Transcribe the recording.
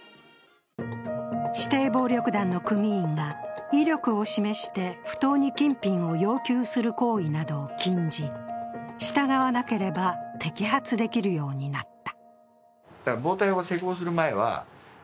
指定暴力団の組員が威力を示して不当に金品を要求する行為などを禁じ従わなければ摘発できるようになった。